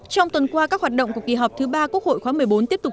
trong tuần qua các hoạt động của kỳ họp thứ ba quốc hội khóa một mươi bốn tiếp tục